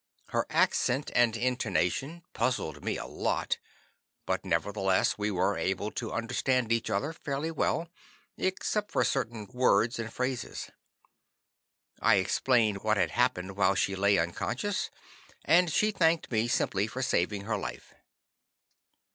Her accent and intonation puzzled me a lot, but nevertheless we were able to understand each other fairly well, except for certain words and phrases. I explained what had happened while she lay unconscious, and she thanked me simply for saving her life.